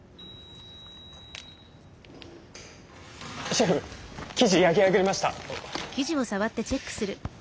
シェフ生地焼き上がりました。